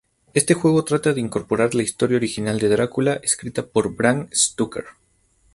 Este juego trata de incorporar la historia original de Drácula escrita por Bram Stoker.